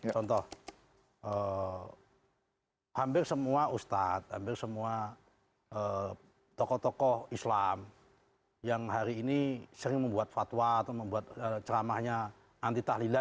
contoh hampir semua ustadz hampir semua tokoh tokoh islam yang hari ini sering membuat fatwa atau membuat ceramahnya anti tahlila